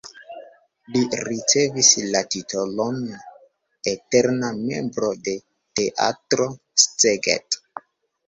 Li ricevis la titolon "eterna membro de Teatro Szeged".